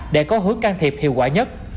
để có hướng can thiệp hiệu quả nhất